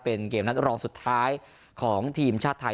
เป็นเกมนัดรองสุดท้ายของทีมชาติไทย